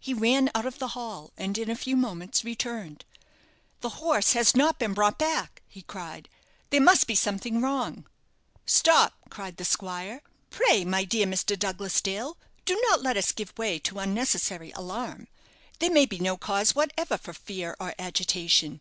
He ran out of the hall, and in a few moments returned. "The horse has not been brought back," he cried; "there must be something wrong." "Stop," cried the squire; "pray, my dear Mr. Douglas Dale, do not let us give way to unnecessary alarm. There may be no cause whatever for fear or agitation.